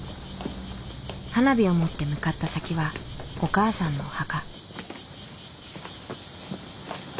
花火を持って向かった先はお母さんのお墓。